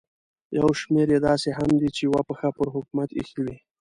یو شمېر یې داسې هم دي چې یوه پښه پر حکومت ایښې وي.